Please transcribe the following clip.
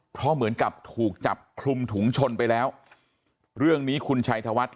เพราะเหมือนกับถูกจับคลุมถุงชนไปแล้วเรื่องนี้คุณชัยธวัฒน์